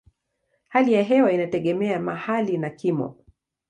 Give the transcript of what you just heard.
Hali ya hewa inategemea mahali na kimo.